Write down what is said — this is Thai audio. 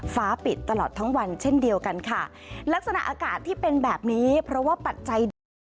ฟ้าปิดตลอดทั้งวันเช่นเดียวกันค่ะลักษณะอากาศที่เป็นแบบนี้เพราะว่าปัจจัยเดิม